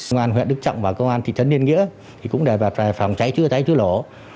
ngoài huyện đức trọng và công an thị trấn liên nghĩa cũng để phòng cháy chứa cháy chứa lỗ